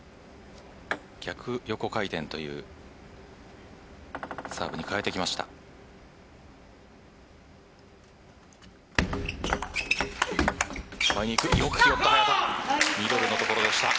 逆横回転というサーブに変えてきました。